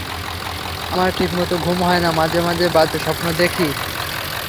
আমার ঠিকমত ঘুম হয় না, মাঝে মাঝে বাজে স্বপ্ন দেখি।